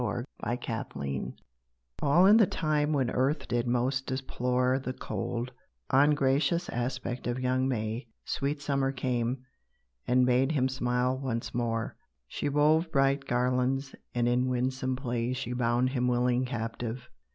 SUMMER'S FAREWELL All in the time when Earth did most deplore The cold, ungracious aspect of young May, Sweet Summer came, and bade him smile once more; She wove bright garlands, and in winsome play She bound him willing captive.